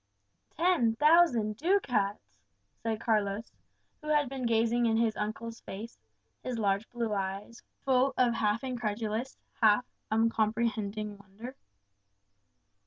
"Ten thousand ducats!" said Carlos, who had been gazing in his uncle's face, his large blue eyes full of half incredulous, half uncomprehending wonder.